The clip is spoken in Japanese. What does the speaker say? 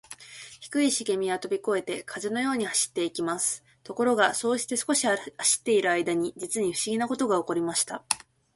低いしげみはとびこえて、風のように走っていきます。ところが、そうして少し走っているあいだに、じつにふしぎなことがおこりました。